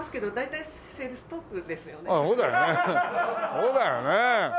そうだよね。